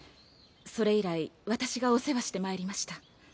それ以来私がお世話してまいりました。